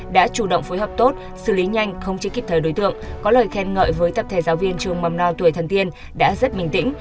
lấy nhanh không chỉ kịp thời đối tượng có lời khen ngợi với tập thể giáo viên trường mầm non tuổi thân tiên đã rất bình tĩnh